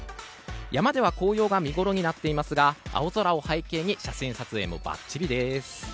山では紅葉が見ごろになっていますが青空を背景に写真撮影もばっちりです。